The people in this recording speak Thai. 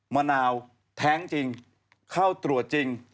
มะนาวแท้งจริงเข้าตรวจจริง